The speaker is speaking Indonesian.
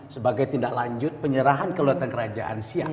sebagai tindak lanjut penyerahan kelewatan kerajaan siap